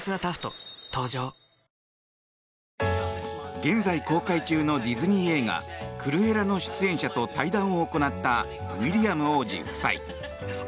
現在、公開中のディズニー映画「クルエラ」の出演者と対談を行ったウィリアム王子夫妻。